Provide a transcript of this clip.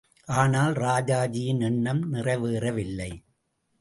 ஆனால் ராஜாஜியின் எண்ணம் நிறைவேறவில்லை.